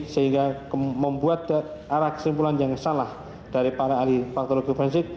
sehingga membuat arah kesimpulan yang salah dari para ahli patologi forensik